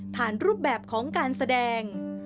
รูปแบบของการแสดง